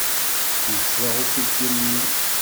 Yettwaɣ uselkim-nni.